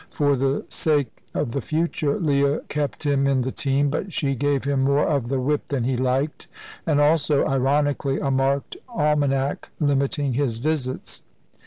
For the sake of the future Leah kept him in the team, but she gave him more of the whip than he liked, and also ironically a marked almanack, limiting his visits.